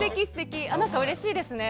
うれしいですね。